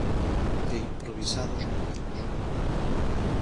De improvisados modelos.